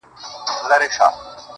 پر هوسۍ سترګو چي رنګ د کجل راسي؛